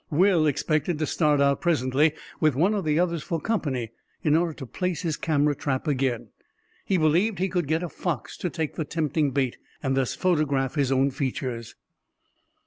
Will expected to start out presently, with one of the others for company, in order to place his camera trap again. He believed he could get a fox to take the tempting bait and thus photograph his own features.